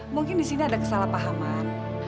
mungkin di sini ada kesalahpahaman